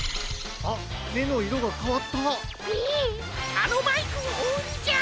あのバイクをおうんじゃ！